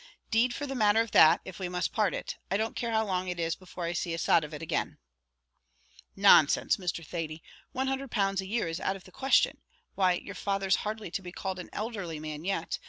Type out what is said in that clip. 'Deed for the matter of that, if we must part it, I don't care how long it is before I see a sod of it again." "Nonsense, Mr. Thady; £100 a year is out of the question; why, your father's hardly to be called an elderly man yet.